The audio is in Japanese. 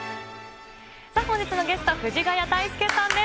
さあ、本日のゲストは、藤ヶ谷太輔さんです。